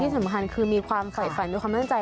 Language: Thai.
สำคัญคือมีความฝ่ายฝันมีความตั้งใจ